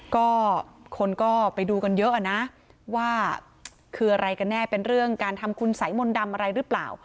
ก็คนก็ไปดูกันเยอะอะนะว่าคืออะไรกันแน่เป็นเรื่องการทำคุณสัยมนต์ดำอะไรหรือเปล่า